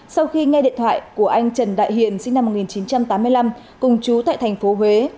sau khi nghe điện thoại của anh trần đại hiền sinh năm một nghìn chín trăm tám mươi năm cùng trú tại tp huế